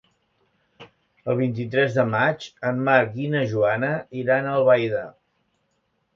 El vint-i-tres de maig en Marc i na Joana iran a Albaida.